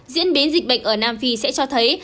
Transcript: diễn biến dịch bệnh ở nam phi sẽ cho thấy